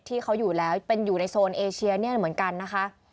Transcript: ที่เขาอยู่แล้วเป็นอยู่ในโซนเอเชียเนี่ยเหมือนกันนะคะ